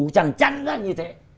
chẳng chắn ra như thế